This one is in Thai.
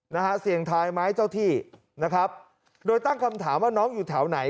นะฮะเสี่ยงทายไหมเจ้าที่นะครับโดยตั้งคำถามว่าน้องอยู่แถวไหน